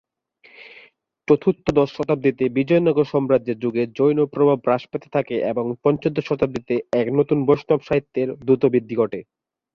চতুর্দশ শতাব্দীতে বিজয়নগর সাম্রাজ্যের যুগে জৈন প্রভাব হ্রাস পেতে থাকে এবং পঞ্চদশ শতাব্দীতে এক নতুন বৈষ্ণব সাহিত্যের দ্রুত বৃদ্ধি ঘটে।